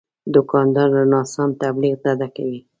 دوکاندار له ناسم تبلیغ ډډه کوي.